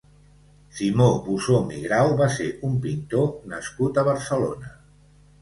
Simó Busom i Grau va ser un pintor nascut a Barcelona.